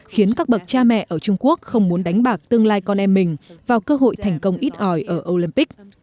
khiến các bậc cha mẹ ở trung quốc không muốn đánh bạc tương lai con em mình vào cơ hội thành công ít ỏi ở olympic